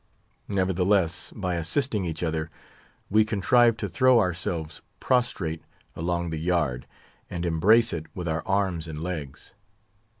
Nevertheless, by assisting each other, we contrived to throw ourselves prostrate along the yard, and embrace it with our arms and legs.